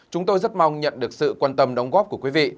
chúng tôi rất mong nhận được sự quan tâm đóng góp của quý vị